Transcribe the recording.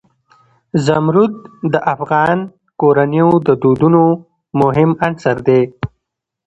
زمرد د افغان کورنیو د دودونو مهم عنصر دی.